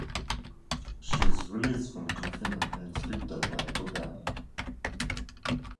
She is released from confinement and is picked up by Kogami.